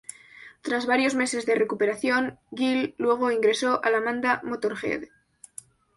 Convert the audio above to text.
Tras varios meses de recuperación, Gill luego ingresó a la banda Motörhead.